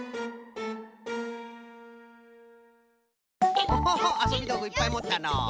オホホあそびどうぐいっぱいもったのう。